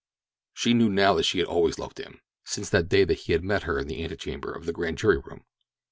She knew now that she had always loved him—since that day that he had met her in the antechamber of the grand jury room.